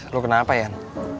lo kenapa yan